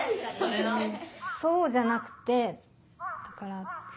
んそうじゃなくてだから。